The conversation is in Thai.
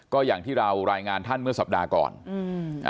ก็อย่างที่เรารายงานท่านเมื่อสัปดาห์ก่อนอืมอ่า